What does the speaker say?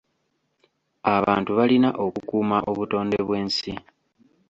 Abantu balina okukuuma obutonde bw'ensi.